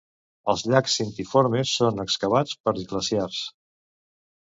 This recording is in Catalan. Els llacs cintiformes són excavats per glacials.